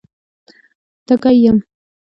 _تږی يم.